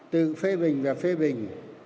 từ phê bình và phê bình